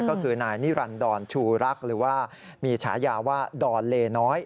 ก็คือนายนิรันดรชูรักหรือว่ามีฉายาว่าดอนเลน้อย